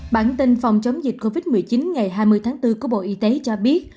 bản tin phòng chống dịch covid một mươi chín ngày hai mươi tháng bốn của bộ y tế cho biết